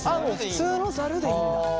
普通のざるでいいんだ。